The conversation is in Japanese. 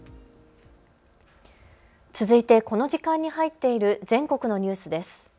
続いてこの時間に入っている全国のニュースです。